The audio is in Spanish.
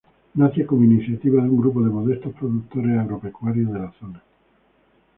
Nace como iniciativa de un grupo de modestos productores agropecuarios de la zona.